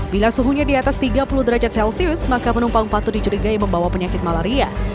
bila suhunya di atas tiga puluh derajat celcius maka penumpang patut dicurigai membawa penyakit malaria